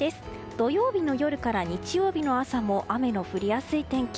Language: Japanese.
土曜日の夜から日曜日の朝も雨の降りやすい天気。